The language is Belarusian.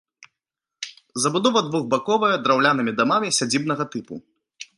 Забудова двухбаковая, драўлянымі дамамі сядзібнага тыпу.